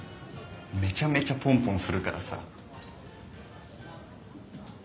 めちゃめちゃポンポンするからさ。